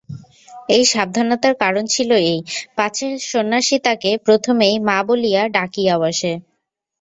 এই সাবধানতার কারণ ছিল এই, পাছে সন্ন্যাসী তাকে প্রথমেই মা বলিয়া ডাকিয়া বসে।